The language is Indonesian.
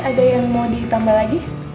ada yang mau ditambah lagi